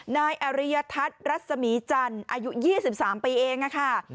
นายอริยทัศน์รัศมีจันทร์อายุ๒๓ปีเองค่ะ